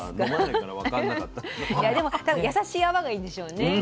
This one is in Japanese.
いやでも多分やさしい泡がいいんでしょうね。